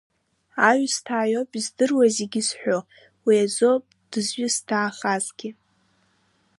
Аҩсҭаа иоуп издыруа зегь зҳәо, уи азоуп дызҩысҭаахагьы.